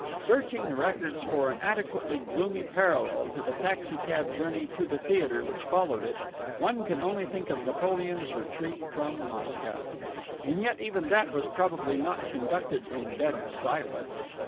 Searching the records for an adequately gloomy parallel to the taxi cab journey to the theatre which followed it, one can only think of Napoleon's retreat from Moscow. And yet even that was probably not conducted in dead silence.